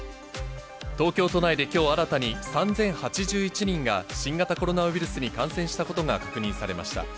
東京都内できょう新たに３０８１人が新型コロナウイルスに感染したことが確認されました。